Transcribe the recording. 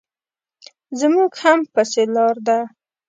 زموږ هم پسې لار ده.